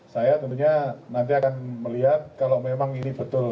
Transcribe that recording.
saya tentunya nanti akan melihat kalau memang ini betul